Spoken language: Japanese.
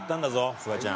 フワちゃん。